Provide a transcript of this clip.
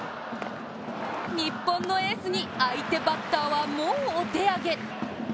日本のエースに相手バッターはもうお手上げ。